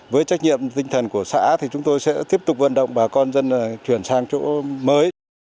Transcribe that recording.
với trách nhiệm tinh thần của xã thì chúng tôi sẽ tiếp tục vận động bà con dân chuyển sang chỗ mới